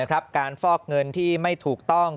ฟอกเงินที่ไม่ถูกต้อง